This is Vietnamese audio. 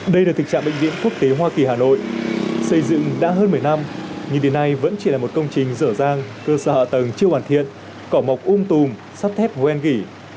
đây là tình trạng bệnh viện quốc tế hoa kỳ hà nội xây dựng đã hơn một mươi năm nhưng đến nay vẫn chỉ là một công trình rửa rang cơ sở tầng chưa hoàn thiện cỏ mọc ung tùm sắp thép hoen gỉ